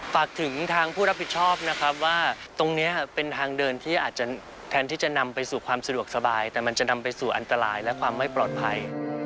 ฝากถึงทางผู้รับผิดชอบนะครับว่าตรงนี้เป็นทางเดินที่อาจจะแทนที่จะนำไปสู่ความสะดวกสบายแต่มันจะนำไปสู่อันตรายและความไม่ปลอดภัย